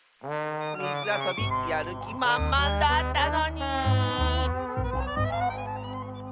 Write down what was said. みずあそびやるきまんまんだったのに！